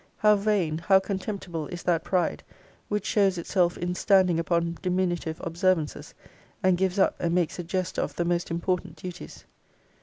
How vain, how contemptible, is that pride, which shows itself in standing upon diminutive observances; and gives up, and makes a jest of, the most important duties!